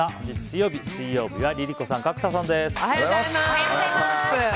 本日水曜日、水曜日はＬｉＬｉＣｏさん、角田さんです。